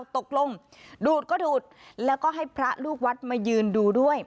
ตกลงดูดก็ดูดแล้วก็ให้พระลูกวัดมายืนดูด้วย